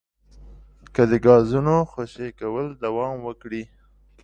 که د ګازونو خوشې کول دوام وکړي